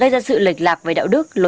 đó là cái thủ đồ